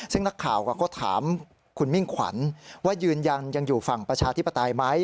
ซึ่งนักข่าวก็ถามคุณมิ่งขวัญว่ายืนยันยังอยู่ฝั่งประชาธิปไตยไหม